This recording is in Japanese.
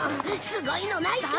すごいのないか！